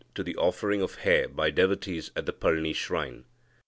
137) to the offering of hair by devotees at the Palni shrine.